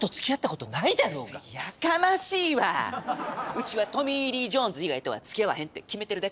うちはトミー・リー・ジョーンズ以外とはつきあわへんって決めてるだけや！